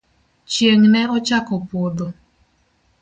Chieng' ne ochako podho.